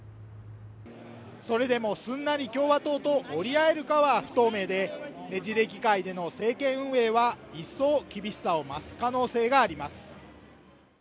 それでもすんなり共和党と折り合えるかは不透明でねじれ議会での政権運営は一層厳しさを増す可能性があります。